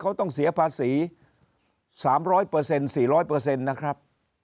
เขาต้องเสียภาษีสามร้อยเปอร์เซ็นต์สี่ร้อยเปอร์เซ็นต์นะครับ